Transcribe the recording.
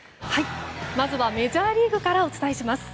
まずはメジャーリーグからお伝えします。